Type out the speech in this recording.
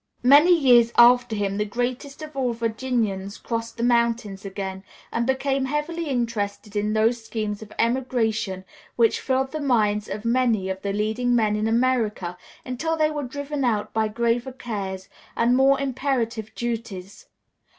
Many years after him the greatest of all Virginians crossed the mountains again, and became heavily interested in those schemes of emigration which filled the minds of many of the leading men in America until they were driven out by graver cares and more imperative duties.